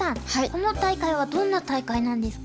この大会はどんな大会なんですか？